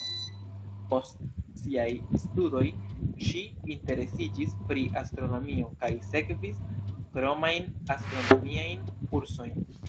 Post siaj studoj, ŝi interesiĝis pri astronomio kaj sekvis kromajn astronomiajn kursojn.